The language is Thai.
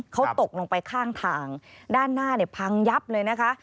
เขาตกลงไปข้างทางด้านหน้าเนี่ยพังยับเลยนะคะ